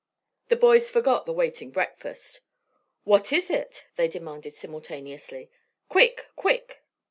The boys forgot the waiting breakfast. "What is it?" they demanded simultaneously. "Quick! quick!"